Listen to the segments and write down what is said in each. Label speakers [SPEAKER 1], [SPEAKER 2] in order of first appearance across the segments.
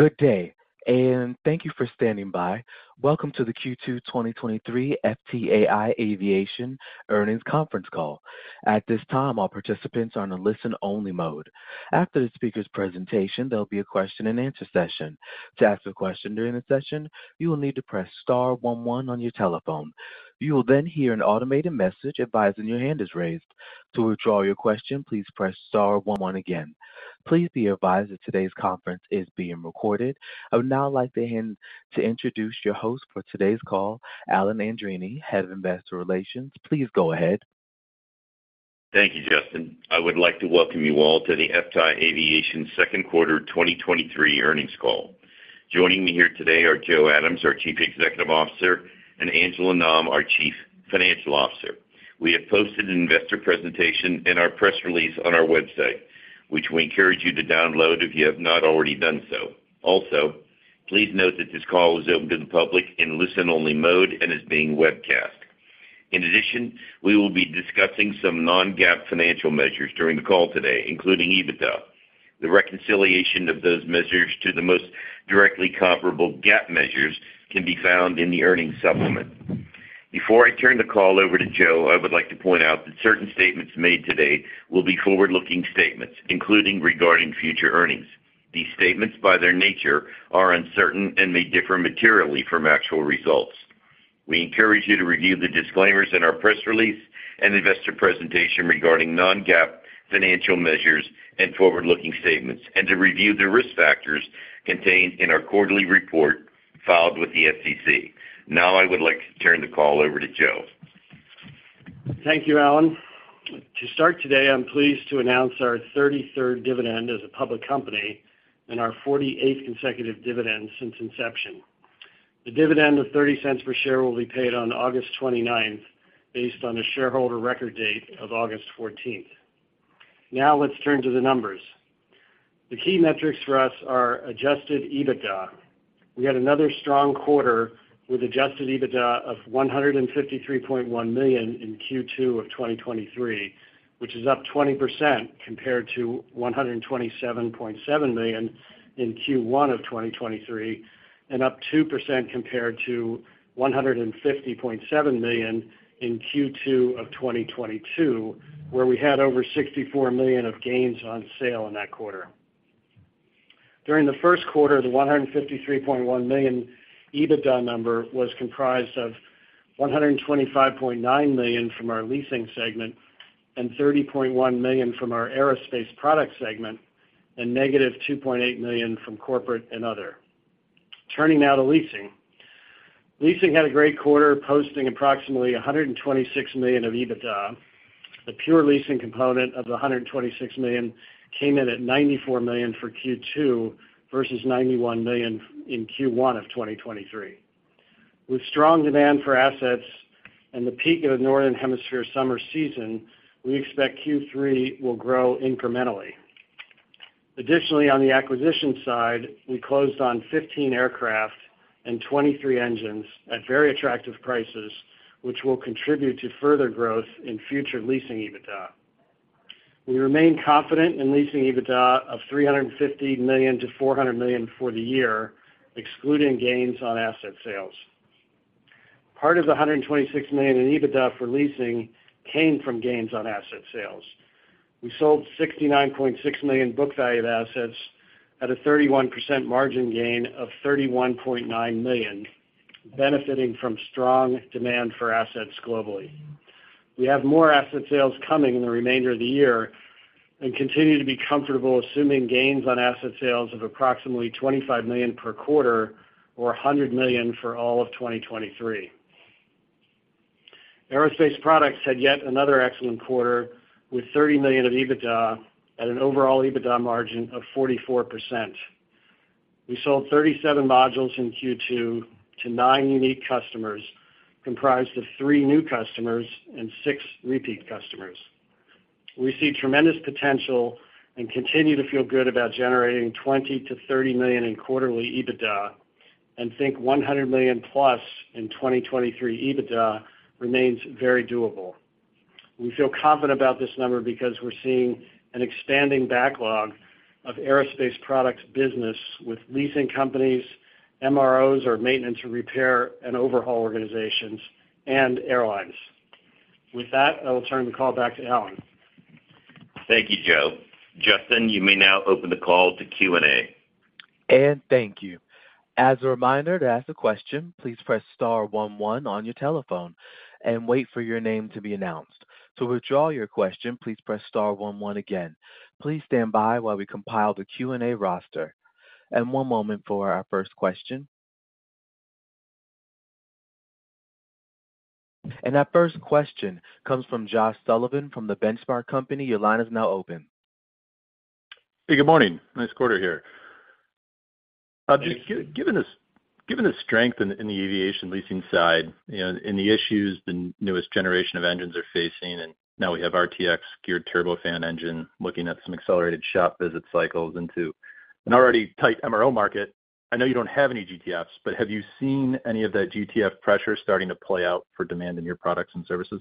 [SPEAKER 1] Good day, and thank you for standing by. Welcome to the Q2 2023 FTAI Aviation Earnings Conference Call. At this time, all participants are on a listen-only mode. After the speaker's presentation, there'll be a question-and-answer session. To ask a question during the session, you will need to press star one one on your telephone. You will hear an automated message advising your hand is raised. To withdraw your question, please press star one one again. Please be advised that today's conference is being recorded. I would now like to introduce your host for today's call, Alan Andreini, Head of Investor Relations. Please go ahead.
[SPEAKER 2] Thank you, Justin. I would like to welcome you all to the FTAI Aviation second quarter 2023 earnings call. Joining me here today are Joe Adams, our Chief Executive Officer, and Angela Nam, our Chief Financial Officer. We have posted an investor presentation in our press release on our website, which we encourage you to download if you have not already done so. Also, please note that this call is open to the public in listen-only mode and is being webcast. In addition, we will be discussing some non-GAAP financial measures during the call today, including EBITDA. The reconciliation of those measures to the most directly comparable GAAP measures can be found in the earnings supplement. Before I turn the call over to Joe, I would like to point out that certain statements made today will be forward-looking statements, including regarding future earnings. These statements, by their nature, are uncertain and may differ materially from actual results. We encourage you to review the disclaimers in our press release and investor presentation regarding non-GAAP financial measures and forward-looking statements, and to review the risk factors contained in our quarterly report filed with the SEC. Now I would like to turn the call over to Joe.
[SPEAKER 3] Thank you, Alan. To start today, I'm pleased to announce our 33rd dividend as a public company and our 48th consecutive dividend since inception. The dividend of $0.30 per share will be paid on August 29th, based on the shareholder record date of August 14th. Let's turn to the numbers. The key metrics for us are adjusted EBITDA. We had another strong quarter with adjusted EBITDA of $153.1 million in Q2 of 2023, which is up 20% compared to $127.7 million in Q1 of 2023, and up 2% compared to $150.7 million in Q2 of 2022, where we had over $64 million of gains on sale in that quarter. During the first quarter, the $153.1 million EBITDA number was comprised of $125.9 million from our leasing segment and $30.1 million from our aerospace product segment, and negative $2.8 million from corporate and other. Turning now to leasing. Leasing had a great quarter, posting approximately $126 million of EBITDA. The pure leasing component of the $126 million came in at $94 million for Q2 versus $91 million in Q1 of 2023. With strong demand for assets and the peak of the Northern Hemisphere summer season, we expect Q3 will grow incrementally. Additionally, on the acquisition side, we closed on 15 aircraft and 23 engines at very attractive prices, which will contribute to further growth in future leasing EBITDA. We remain confident in leasing EBITDA of $350 million to $400 million for the year, excluding gains on asset sales. Part of the $126 million in EBITDA for leasing came from gains on asset sales. We sold $69.6 million book value of assets at a 31% margin gain of $31.9 million, benefiting from strong demand for assets globally. We have more asset sales coming in the remainder of the year and continue to be comfortable assuming gains on asset sales of approximately $25 million per quarter or $100 million for all of 2023. Aerospace products had yet another excellent quarter, with $30 million of EBITDA at an overall EBITDA margin of 44%. We sold 37 modules in Q2 to nine unique customers, comprised of three new customers and six repeat customers. We see tremendous potential and continue to feel good about generating $20 million-$30 million in quarterly EBITDA, and think $100 million-plus in 2023 EBITDA remains very doable. We feel confident about this number because we're seeing an expanding backlog of aerospace products business with leasing companies, MROs, or maintenance, repair, and overhaul organizations, and airlines. With that, I will turn the call back to Alan.
[SPEAKER 2] Thank you, Joe. Justin, you may now open the call to Q&A.
[SPEAKER 1] Thank you. As a reminder, to ask a question, please press star one one on your telephone and wait for your name to be announced. To withdraw your question, please press star one one again. Please stand by while we compile the Q&A roster. One moment for our first question. That first question comes from Josh Sullivan from The Benchmark Company. Your line is now open.
[SPEAKER 4] Hey, good morning. Nice quarter here. given this, given the strength in, in the aviation leasing side and, and the issues the newest generation of engines are facing, and now we have RTX Geared Turbofan engine looking at some accelerated shop visit cycles into an already tight MRO market. I know you don't have any GTFs, but have you seen any of that GTF pressure starting to play out for demand in your products and services?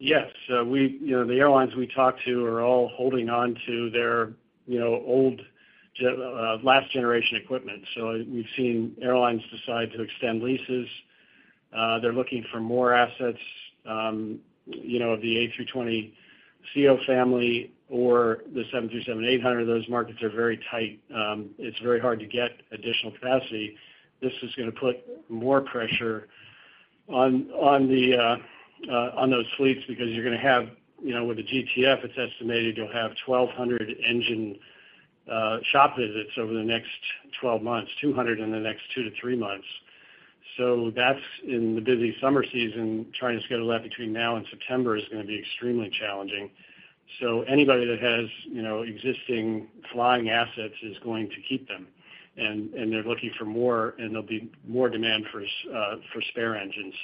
[SPEAKER 3] Yes, we, you know, the airlines we talk to are all holding on to their, you know, old gen, last generation equipment. We've seen airlines decide to extend leases. They're looking for more assets, you know, of the A320ceo family or the 737-800, those markets are very tight. It's very hard to get additional capacity. This is gonna put more pressure on those fleets, because you're gonna have, you know, with the GTF, it's estimated you'll have 1,200 engine shop visits over the next 12 months, 200 in the next two to three months. That's in the busy summer season, trying to schedule that between now and September is gonna be extremely challenging. Anybody that has, you know, existing flying assets is going to keep them, and they're looking for more, and there'll be more demand for spare engines.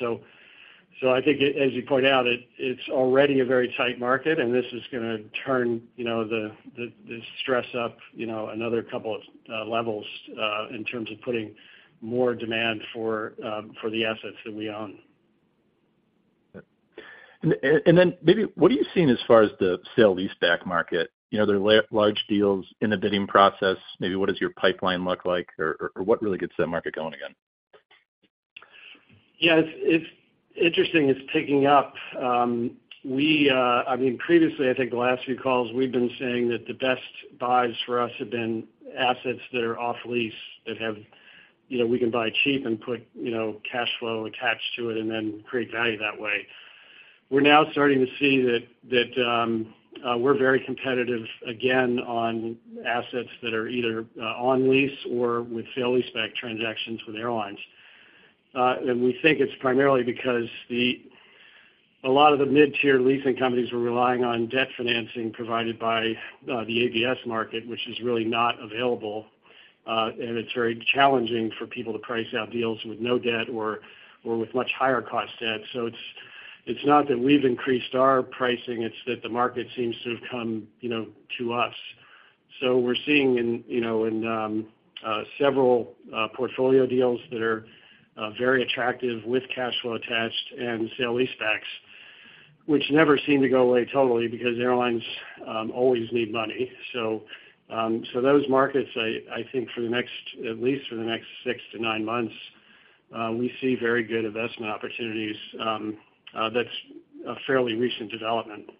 [SPEAKER 3] I think, as you point out, it's already a very tight market, and this is gonna turn, you know, the stress up, you know, another couple of levels in terms of putting more demand for the assets that we own.
[SPEAKER 4] Maybe what are you seeing as far as the sale leaseback market? You know, there are large deals in the bidding process, maybe what does your pipeline look like or what really gets that market going again?
[SPEAKER 3] Yeah, it's, it's interesting, it's picking up. We, I mean, previously, I think the last few calls, we've been saying that the best buys for us have been assets that are off lease, that have, you know, we can buy cheap and put, you know, cash flow attached to it and then create value that way. We're now starting to see that we're very competitive again on assets that are either on lease or with sale leaseback transactions with airlines. We think it's primarily because the, a lot of the mid-tier leasing companies were relying on debt financing provided by the ABS market, which is really not available. It's very challenging for people to price out deals with no debt or with much higher cost debt. It's not that we've increased our pricing, it's that the market seems to have come, you know, to us. We're seeing in, you know, in several portfolio deals that are very attractive with cash flow attached and sale leasebacks, which never seem to go away totally because airlines always need money. Those markets, I think for the next, at least for the next six to nine months, we see very good investment opportunities. That's a fairly recent development.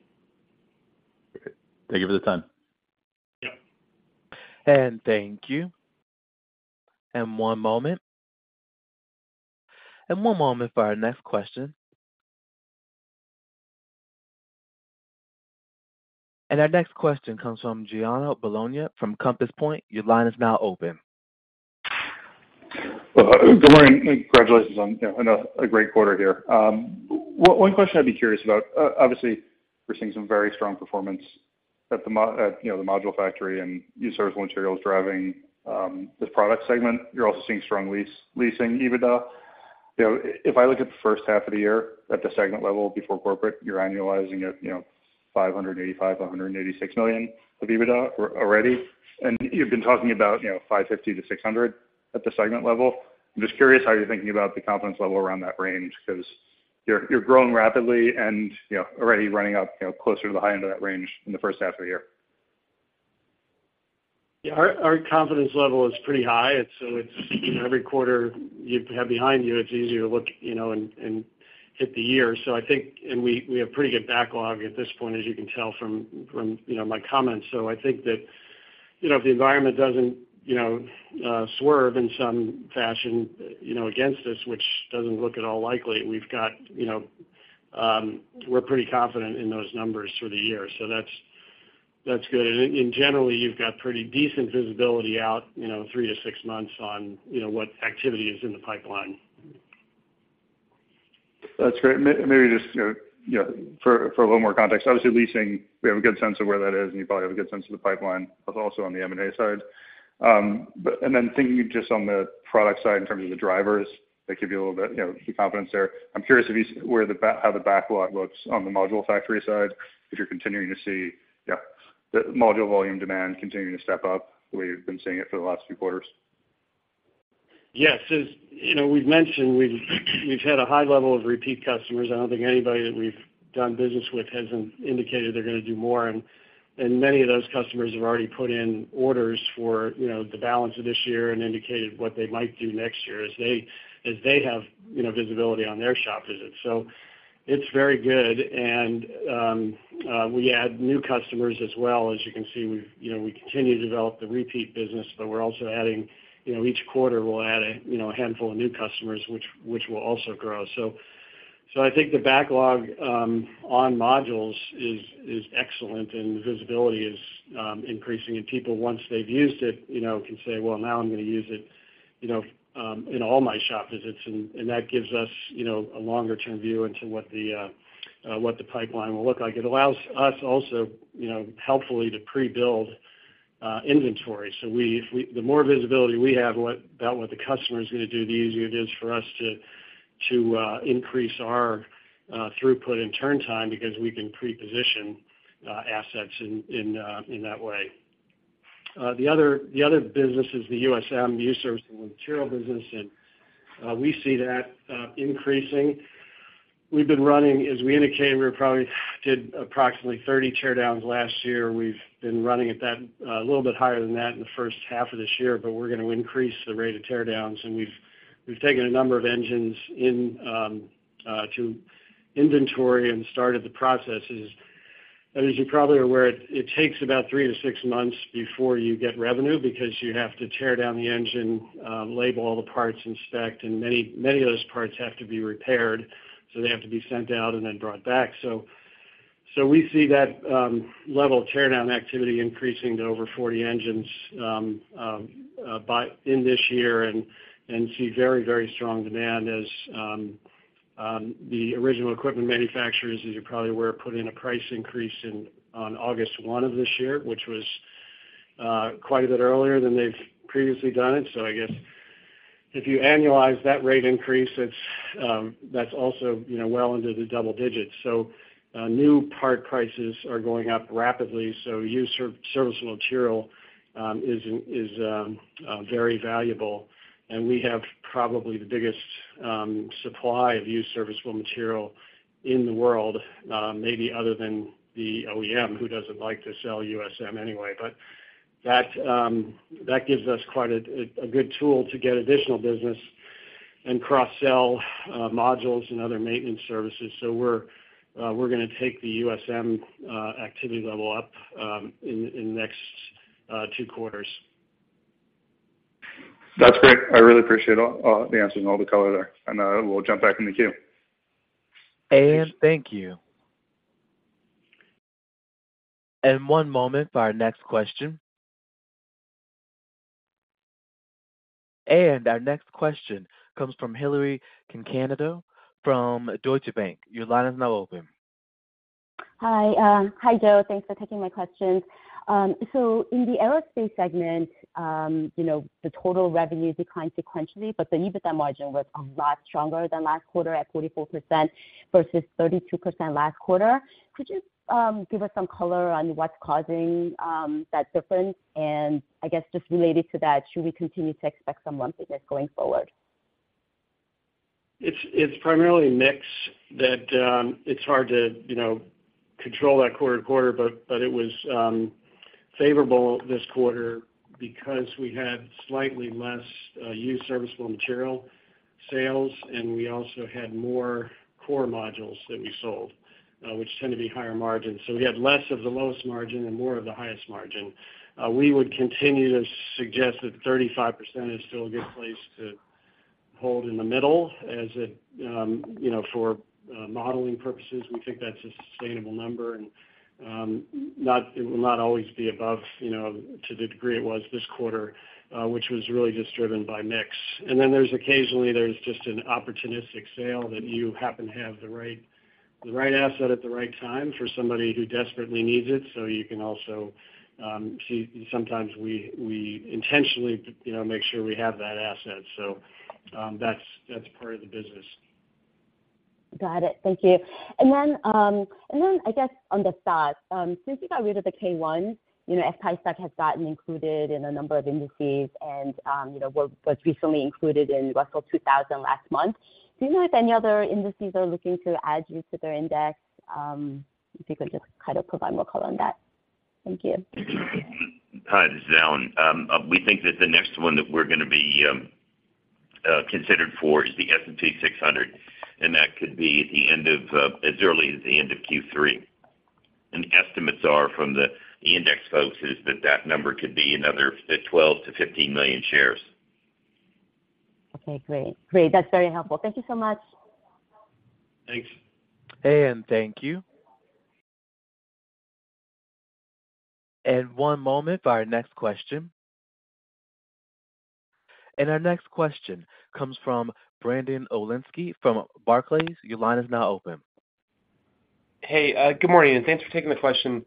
[SPEAKER 4] Thank you for the time.
[SPEAKER 3] Yep.
[SPEAKER 1] Thank you. One moment. One moment for our next question. Our next question comes from Giuliano Bologna from Compass Point. Your line is now open.
[SPEAKER 5] Well, good morning, and congratulations on, you know, another, a great quarter here. One question I'd be curious about, obviously, we're seeing some very strong performance at the module factory, and used serviceable materials driving this product segment. You're also seeing strong leasing EBITDA. You know, if I look at the first half of the year, at the segment level before corporate, you're annualizing at, you know, $585 million-$586 million of EBITDA already. You've been talking about, you know, $550 million-$600 million at the segment level. I'm just curious how you're thinking about the confidence level around that range, because you're growing rapidly and, you know, already running up, you know, closer to the high end of that range in the first half of the year.
[SPEAKER 3] Yeah, our confidence level is pretty high. It's, you know, every quarter you have behind you, it's easier to look, you know, and hit the year. I think, and we have pretty good backlog at this point, as you can tell from, you know, my comments. I think that, you know, if the environment doesn't, you know, swerve in some fashion, you know, against us, which doesn't look at all likely, we've got, you know, we're pretty confident in those numbers for the year. That's good. Generally, you've got pretty decent visibility out, you know, three to six months on, you know, what activity is in the pipeline.
[SPEAKER 5] That's great. Maybe just, you know, for a little more context, obviously, leasing, we have a good sense of where that is, and you probably have a good sense of the pipeline, but also on the M&A side. Then thinking just on the product side, in terms of the drivers, that give you a little bit, you know, the confidence there. I'm curious if you see how the backlog looks on the module factory side, if you're continuing to see the module volume demand continuing to step up, the way you've been seeing it for the last few quarters?
[SPEAKER 3] Yes, as you know, we've mentioned, we've had a high level of repeat customers. I don't think anybody that we've done business with hasn't indicated they're gonna do more. Many of those customers have already put in orders for, you know, the balance of this year and indicated what they might do next year as they have, you know, visibility on their shop visits. It's very good, and we add new customers as well. As you can see, we've, you know, we continue to develop the repeat business, but we're also adding, you know, each quarter, we'll add a, you know, a handful of new customers, which will also grow. I think the backlog on modules is excellent and the visibility is increasing. People, once they've used it, you know, can say, "Well, now I'm gonna use it, you know, in all my shop visits." That gives us, you know, a longer-term view into what the pipeline will look like. It allows us also, you know, helpfully to pre-build inventory. We, the more visibility we have about what the customer is gonna do, the easier it is for us to increase our throughput and turn time because we can pre-position assets in that way. The other business is the USM, the Used Serviceable Material business. We see that increasing. We've been running, as we indicated, we probably did approximately 30 teardowns last year. We've been running at that, a little bit higher than that in the first half of this year. We're gonna increase the rate of teardowns. We've taken a number of engines in, to inventory and started the processes. As you're probably aware, it takes about three to six months before you get revenue because you have to tear down the engine, label all the parts, inspect. Many of those parts have to be repaired, so they have to be sent out and then brought back. We see that level of teardown activity increasing to over 40 engines in this year, and see very, very strong demand as the original equipment manufacturers, as you're probably aware, put in a price increase in, on August 1 of this year, which was quite a bit earlier than they've previously done it. I guess if you annualize that rate increase, it's that's also, you know, well into the double digits. New part prices are going up rapidly, so Used Serviceable Material is very valuable. And we have probably the biggest supply of Used Serviceable Material in the world, maybe other than the OEM, who doesn't like to sell USM anyway. That gives us quite a good tool to get additional business and cross-sell modules and other maintenance services. We're gonna take the USM activity level up in the next 2 quarters.
[SPEAKER 5] That's great. I really appreciate all the answers and all the color there. We'll jump back in the queue.
[SPEAKER 1] Thank you. One moment for our next question. Our next question comes from Hillary Cacanando from Deutsche Bank. Your line is now open.
[SPEAKER 6] Hi, hi, Joe. Thanks for taking my questions. In the aerospace segment, you know, the total revenue declined sequentially, but the EBITDA margin was a lot stronger than last quarter, at 44% versus 32% last quarter. Could you give us some color on what's causing that difference? I guess just related to that, should we continue to expect some lumpiness going forward?
[SPEAKER 3] It's primarily mix that it's hard to, you know, control that quarter to quarter, but it was favorable this quarter because we had slightly less Used Serviceable Material sales, and we also had more core modules that we sold, which tend to be higher margin. So we had less of the lowest margin and more of the highest margin. We would continue to suggest that 35% is still a good place to hold in the middle, as it, you know, for modeling purposes, we think that's a sustainable number. It will not always be above, you know, to the degree it was this quarter, which was really just driven by mix. Then there's occasionally, there's just an opportunistic sale that you happen to have the right, the right asset at the right time for somebody who desperately needs it. You can also, see sometimes we, we intentionally, you know, make sure we have that asset. That's, that's part of the business.
[SPEAKER 6] Got it. Thank you. Then, and then I guess on the stock, since you got rid of the K-1, you know, as High Stock has gotten included in a number of indices and, you know, was recently included in Russell 2000 last month, do you know if any other indices are looking to add you to their index? If you could just kind of provide more color on that. Thank you.
[SPEAKER 2] Hi, this is Alan. We think that the next one that we're going to be considered for is the S&P 600, and that could be at the end of, as early as the end of Q3. Estimates are from the index folks is that, that number could be another 12-15 million shares.
[SPEAKER 6] Okay, great. Great, that's very helpful. Thank you so much.
[SPEAKER 3] Thanks.
[SPEAKER 1] Thank you. One moment for our next question. Our next question comes from Brandon Oglenski from Barclays. Your line is now open.
[SPEAKER 7] Hey, good morning, and thanks for taking the question.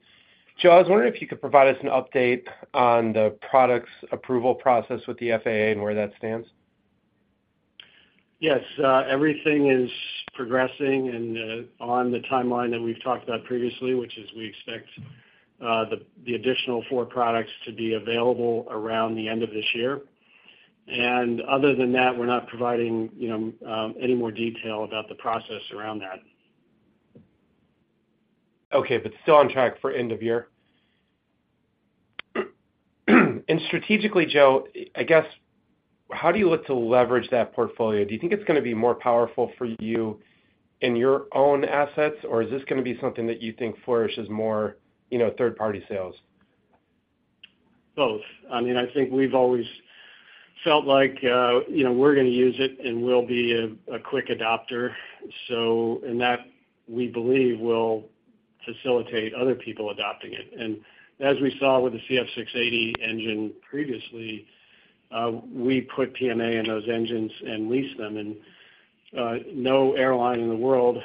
[SPEAKER 7] Joe, I was wondering if you could provide us an update on the products approval process with the FAA and where that stands?
[SPEAKER 3] Yes, everything is progressing and on the timeline that we've talked about previously, which is we expect the additional four products to be available around the end of this year. Other than that, we're not providing, you know, any more detail about the process around that.
[SPEAKER 7] Okay, but still on track for end of year. Strategically, Joe, I guess, how do you look to leverage that portfolio? Do you think it's gonna be more powerful for you in your own assets, or is this gonna be something that you think flourishes more, you know, third-party sales?
[SPEAKER 3] Both. I mean, I think we've always felt like, you know, we're gonna use it, and we'll be a quick adopter. That, we believe, will facilitate other people adopting it. As we saw with the CF6-80 engine previously, we put PMA in those engines and leased them, and no airline in the world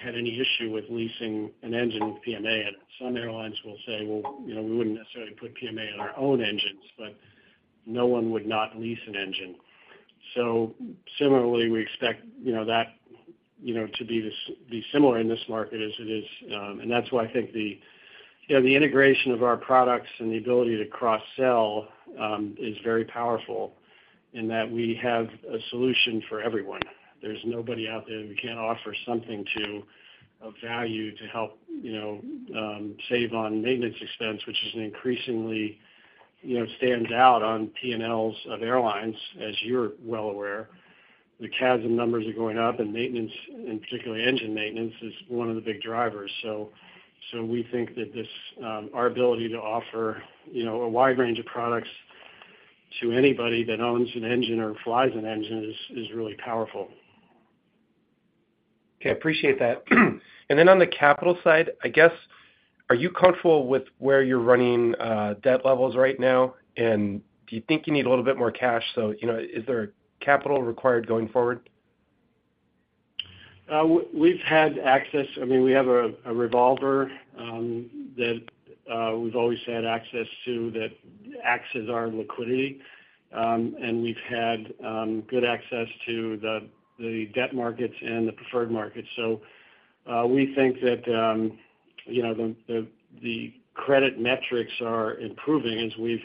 [SPEAKER 3] had any issue with leasing an engine with PMA in it. Some airlines will say, "Well, you know, we wouldn't necessarily put PMA in our own engines," but no one would not lease an engine. Similarly, we expect, you know, to be similar in this market as it is. That's why I think the, you know, the integration of our products and the ability to cross-sell is very powerful in that we have a solution for everyone. There's nobody out there that we can't offer something to, of value to help, you know, save on maintenance expense, which is an increasingly, you know, stands out on P&L of airlines, as you're well aware. The CASM numbers are going up, and maintenance, and particularly engine maintenance, is one of the big drivers. We think that this, our ability to offer, you know, a wide range of products to anybody that owns an engine or flies an engine is really powerful.
[SPEAKER 7] Okay, appreciate that. On the capital side, I guess, are you comfortable with where you're running, debt levels right now? Do you think you need a little bit more cash, so, you know, is there capital required going forward?
[SPEAKER 3] We've had access. I mean, we have a revolver that we've always had access to, that access our liquidity. And we've had good access to the debt markets and the preferred markets. We think that, you know, the credit metrics are improving. As we've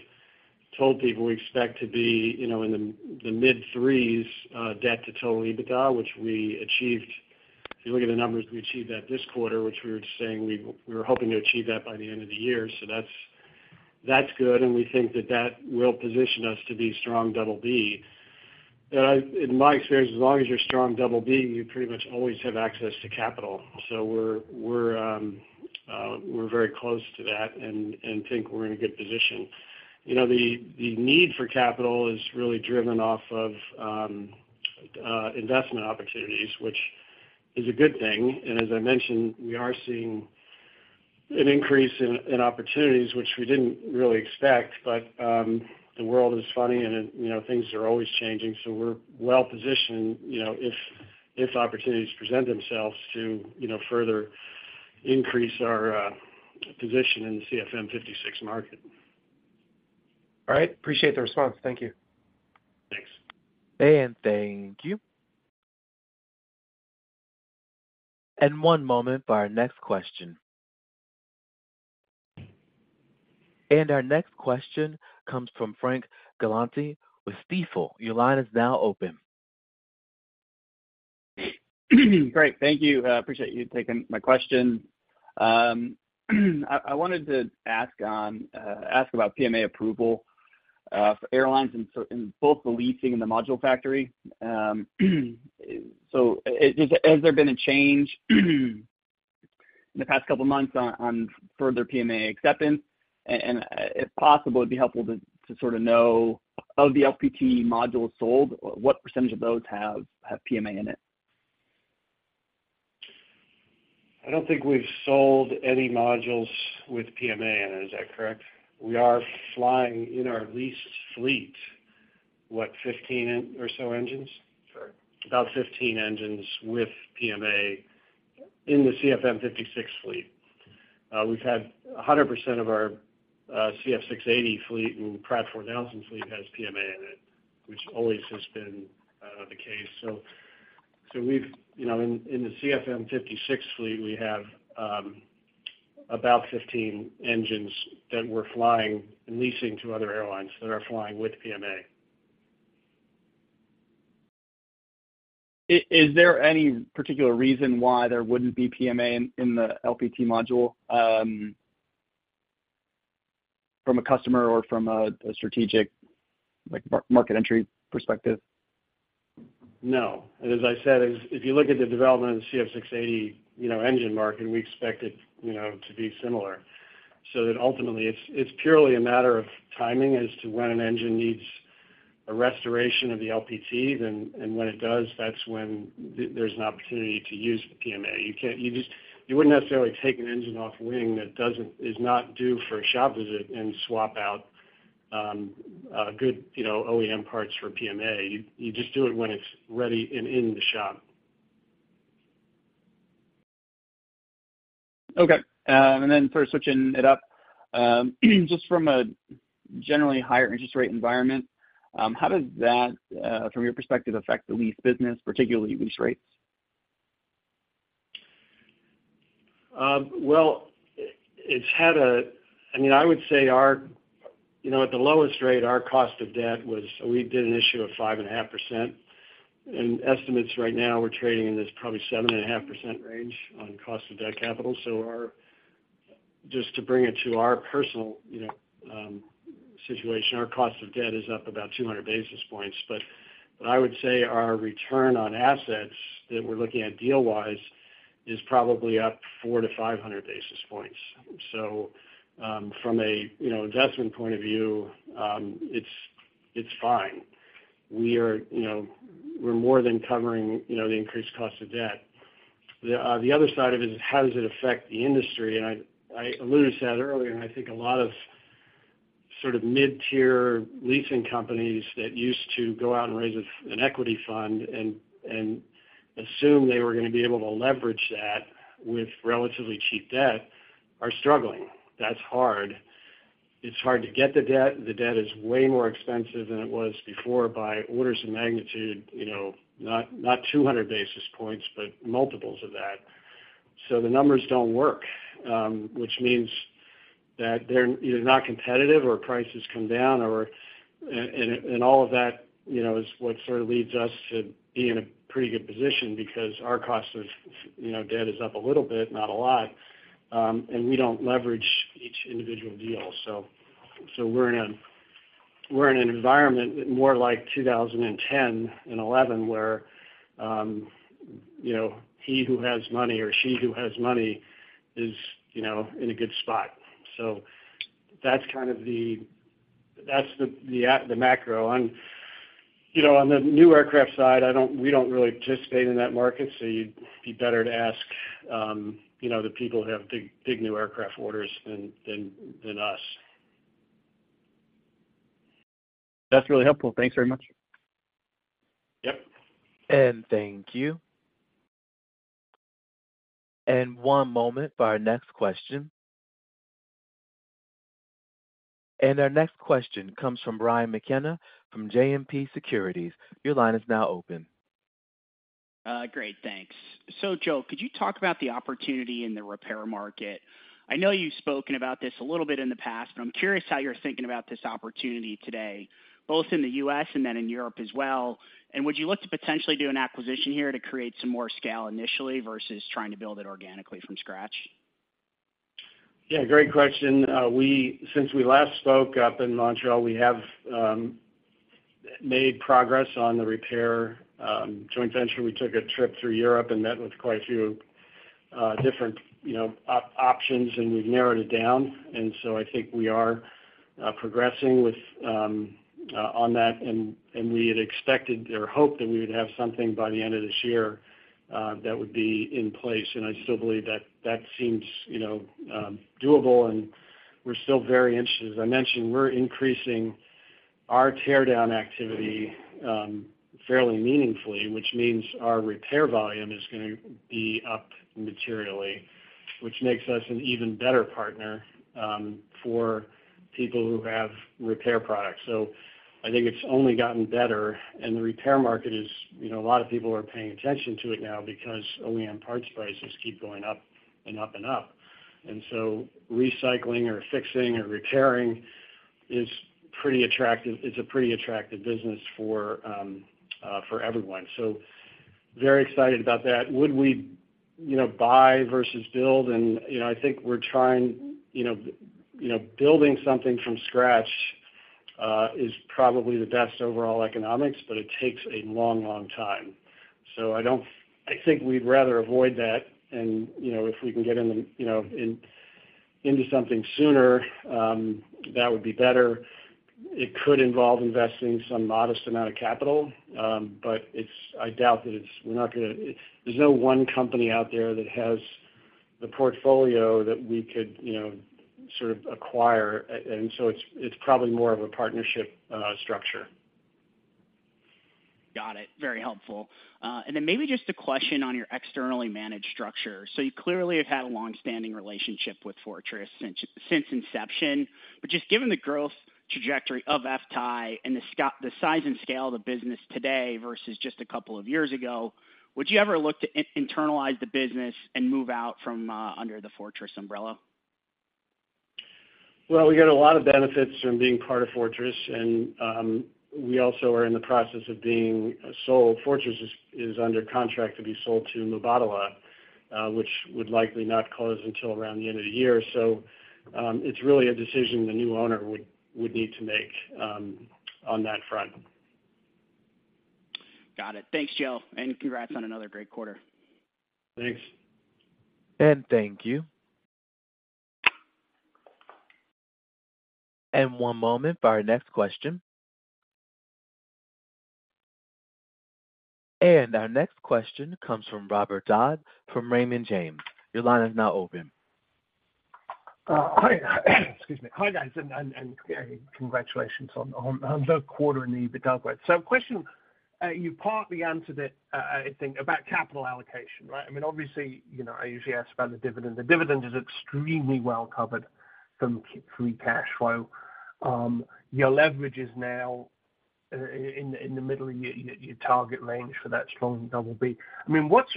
[SPEAKER 3] told people, we expect to be, you know, in the mid 3s, debt to total EBITDA, which we achieved. If you look at the numbers, we achieved that this quarter, which we were just saying we were hoping to achieve that by the end of the year. That's, that's good, and we think that that will position us to be strong Double B. In my experience, as long as you're strong Double B, you pretty much always have access to capital. We're very close to that and think we're in a good position. You know, the need for capital is really driven off of investment opportunities, which is a good thing. As I mentioned, we are seeing an increase in opportunities, which we didn't really expect, but the world is funny and it, you know, things are always changing, we're well positioned, you know, if opportunities present themselves to, you know, further increase our position in the market.
[SPEAKER 7] All right. Appreciate the response. Thank you.
[SPEAKER 3] Thanks.
[SPEAKER 1] Thank you. One moment for our next question. Our next question comes from Frank Galanti with Stifel. Your line is now open.
[SPEAKER 8] Great, thank you. Appreciate you taking my question. I wanted to ask about PMA approval for airlines in both the leasing and the module factory. Has there been a change in the past couple of months on further PMA acceptance? If possible, it'd be helpful to sort of know, of the LPT modules sold, what % of those have PMA in it?
[SPEAKER 3] I don't think we've sold any modules with PMA in it. Is that correct? We are flying in our leased fleet, what, 15 or so engines?
[SPEAKER 8] Sure.
[SPEAKER 3] About 15 engines with PMA in the CFM56 fleet. We've had 100% of our CF6-80 fleet, and PW4000 fleet has PMA in it, which always has been the case. We've, you know, in the CFM56 fleet, we have about 15 engines that we're flying and leasing to other airlines that are flying with PMA.
[SPEAKER 8] Is there any particular reason why there wouldn't be PMA in the LPT module, from a customer or from a strategic, like, market entry perspective?
[SPEAKER 3] No. As I said, if you look at the development of the CF6-80, you know, engine market, we expect it, you know, to be similar. That ultimately, it's purely a matter of timing as to when an engine needs a restoration of the LPT. When it does, that's when there's an opportunity to use the PMA. You can't. You just, you wouldn't necessarily take an engine off wing that doesn't, is not due for a shop visit and swap out a good, you know, OEM parts for PMA. You just do it when it's ready and in the shop.
[SPEAKER 8] Okay. Sort of switching it up, just from a generally higher interest rate environment, how does that, from your perspective, affect the lease business, particularly lease rates?
[SPEAKER 3] Well, I mean, I would say our, you know, at the lowest rate, our cost of debt was we did an issue of 5.5%. Estimates right now, we're trading in this probably 7.5% range on cost of debt capital. Our, just to bring it to our personal, you know, situation, our cost of debt is up about 200 basis points. I would say our return on assets that we're looking at deal-wise, is probably up 400-500 basis points. From a, you know, investment point of view, it's, it's fine. We are, you know, we're more than covering, you know, the increased cost of debt. The other side of it is, how does it affect the industry? I alluded to that earlier, and I think a lot of sort of mid-tier leasing companies that used to go out and raise an equity fund and assume they were going to be able to leverage that with relatively cheap debt, are struggling. That's hard. It's hard to get the debt. The debt is way more expensive than it was before by orders of magnitude, you know, not 200 basis points, but multiples of that. The numbers don't work, which means that they're either not competitive or prices come down or, and all of that, you know, is what sort of leads us to be in a pretty good position because our cost of, you know, debt is up a little bit, not a lot, and we don't leverage each individual deal. We're in a, we're in an environment more like 2010 and 2011, where, you know, he who has money or she who has money is, you know, in a good spot. That's kind of the macro. On, you know, on the new aircraft side, we don't really participate in that market, so you'd be better to ask, you know, the people who have big new aircraft orders than us.
[SPEAKER 8] That's really helpful. Thanks very much.
[SPEAKER 3] Yep.
[SPEAKER 1] Thank you. One moment for our next question. Our next question comes from Brian McKenna from JMP Securities. Your line is now open.
[SPEAKER 9] Great, thanks. Joe, could you talk about the opportunity in the repair market? I know you've spoken about this a little bit in the past, but I'm curious how you're thinking about this opportunity today, both in the. and in as well. Would you look to potentially do an acquisition here to create some more scale initially versus trying to build it organically from scratch?
[SPEAKER 3] Yeah, great question. Since we last spoke up in Montreal, we have made progress on the repair joint venture. We took a trip through Europe and met with quite a few different, you know, options, and we've narrowed it down. I think we are progressing with on that. We had expected or hoped that we would have something by the end of this year that would be in place, and I still believe that that seems, you know, doable, and we're still very interested. As I mentioned, we're increasing our teardown activity fairly meaningfully, which means our repair volume is gonna be up materially, which makes us an even better partner for people who have repair products. I think it's only gotten better, and the repair market is, you know, a lot of people are paying attention to it now because OEM parts prices keep going up and up and up. Recycling or fixing or repairing is pretty attractive. It's a pretty attractive business for everyone. Very excited about that. Would we, you know, buy versus build? You know, I think we're trying, you know, building something from scratch, is probably the best overall economics, but it takes a long, long time. I think we'd rather avoid that, and, you know, if we can get in the, into something sooner, that would be better. It could involve investing some modest amount of capital, but I doubt that it's... There's no one company out there that has the portfolio that we could, you know, sort of acquire, and so it's, it's probably more of a partnership structure.
[SPEAKER 9] Got it. Very helpful. Maybe just a question on your externally managed structure. You clearly have had a long-standing relationship with Fortress since inception. Just given the growth trajectory of FTAI and the size and scale of the business today versus a couple of years ago, would you ever look to internalize the business and move out from under the Fortress umbrella?
[SPEAKER 3] Well, we get a lot of benefits from being part of Fortress, and we also are in the process of being sold. Fortress is under contract to be sold to Mubadala, which would likely not close until around the end of the year. It's really a decision the new owner would need to make on that front.
[SPEAKER 9] Got it. Thanks, Joe, and congrats on another great quarter.
[SPEAKER 3] Thanks.
[SPEAKER 1] Thank you. One moment for our next question. Our next question comes from Robert Dodd from Raymond James. Your line is now open.
[SPEAKER 10] Hi. Excuse me. Hi, guys, and congratulations on the quarter and the outlook. Question, you partly answered it, I think, about capital allocation, right? I mean, obviously, you know, I usually ask about the dividend. The dividend is extremely well covered from free cash flow. Your leverage is now in the middle of your target range for that strong BB. I mean, what's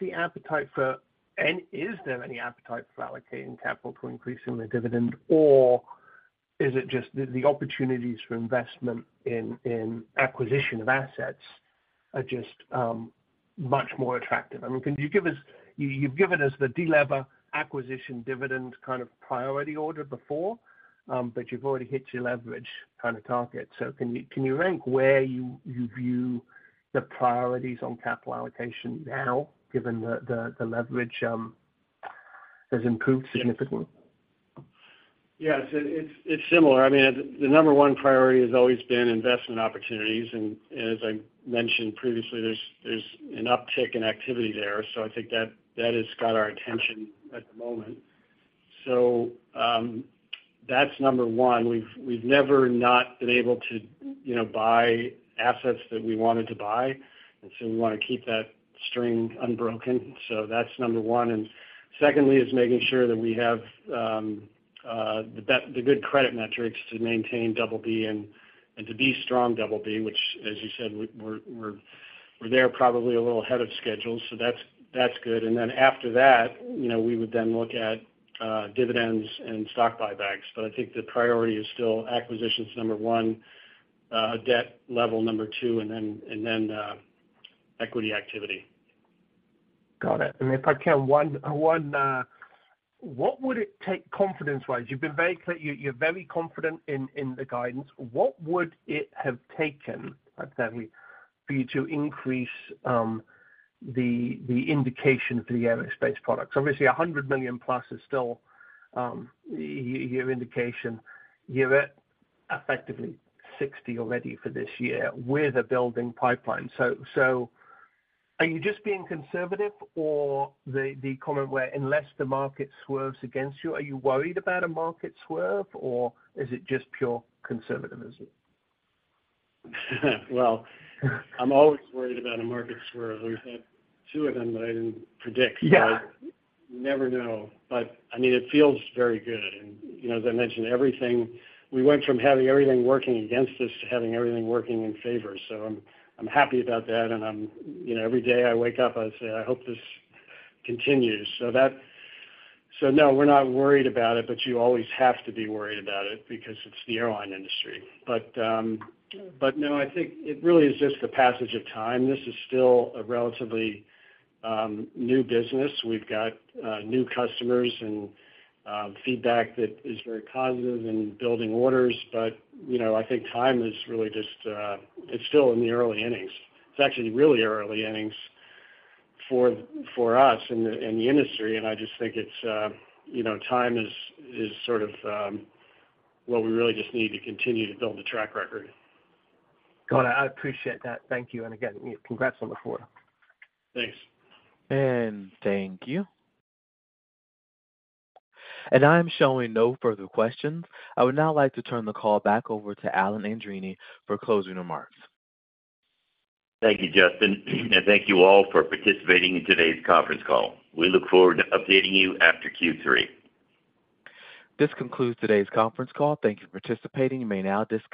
[SPEAKER 10] the appetite for, and is there any appetite for allocating capital to increasing the dividend? Or is it just the opportunities for investment in acquisition of assets are just much more attractive? I mean, can you give us... You, you've given us the delever acquisition dividend kind of priority order before, but you've already hit your leverage kind of target. Can you rank where you view the priorities on capital allocation now, given the leverage has improved significantly?
[SPEAKER 3] Yes, it's similar. I mean, the number one priority has always been investment opportunities, and as I mentioned previously, there's an uptick in activity there. I think that has got our attention at the moment. That's number one. We've never not been able to, you know, buy assets that we wanted to buy, and so we want to keep that string unbroken. That's number one. Secondly, is making sure that we have the good credit metrics to maintain BB and to be strong BB, which, as you said, we're there probably a little ahead of schedule, that's good. After that, you know, we would then look at dividends and stock buybacks. I think the priority is still acquisitions, number 1, debt level, number 2, and then, equity activity.
[SPEAKER 10] Got it. If I can, one, what would it take confidence-wise? You've been very clear. You're very confident in the guidance. What would it have taken, certainly, for you to increase the indication for the aerospace products? Obviously, $100 million+ is still your indication. You're at effectively 60 already for this year with a building pipeline. Are you just being conservative or the comment where unless the market swerves against you, are you worried about a market swerve, or is it just pure conservatism?
[SPEAKER 3] Well, I'm always worried about a market swerve. We've had two of them that I didn't predict.
[SPEAKER 10] Yeah.
[SPEAKER 3] You never know. I mean, it feels very good. You know, as I mentioned, we went from having everything working against us to having everything working in favor. I'm happy about that, and you know, every day I wake up, I say, "I hope this continues." No, we're not worried about it, but you always have to be worried about it because it's the airline industry. No, I think it really is just the passage of time. This is still a relatively new business. We've got new customers and feedback that is very positive and building orders. You know, I think time is really just, it's still in the early innings. It's actually really early innings for us in the, in the industry, and I just think it's, you know, time is sort of, what we really just need to continue to build a track record.
[SPEAKER 10] Got it. I appreciate that. Thank you. Again, congrats on the quarter.
[SPEAKER 3] Thanks.
[SPEAKER 1] Thank you. I'm showing no further questions. I would now like to turn the call back over to Alan Andreini for closing remarks.
[SPEAKER 2] Thank you, Justin, and thank you all for participating in today's conference call. We look forward to updating you after Q3.
[SPEAKER 1] This concludes today's conference call. Thank you for participating. You may now disconnect.